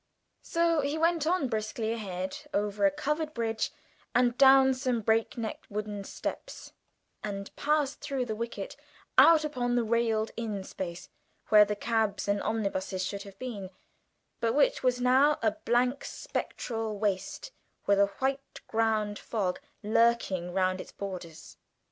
So he went on briskly ahead over a covered bridge and down some break neck wooden steps, and passed through the wicket out upon the railed in space, where the cabs and omnibuses should have been, but which was now a blank spectral waste with a white ground fog lurking round its borders.